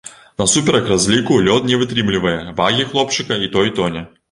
Насуперак разліку лёд не вытрымлівае вагі хлопчыка, і той тоне.